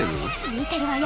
見てるわよ。